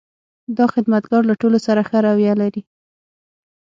دا خدمتګر له ټولو سره ښه رویه لري.